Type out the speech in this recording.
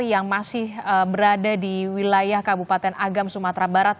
yang masih berada di wilayah kabupaten agam sumatera barat